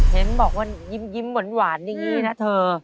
เห็นบอกว่ายิ้มหวานอย่างนี้นะเธอ